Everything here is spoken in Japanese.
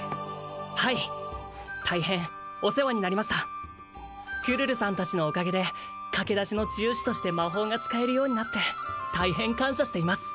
はい大変お世話になりましたクルルさん達のおかげで駆け出しの治癒士として魔法が使えるようになって大変感謝しています